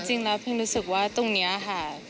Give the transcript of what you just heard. จริงแล้วพิมรู้สึกว่าตรงนี้ค่ะ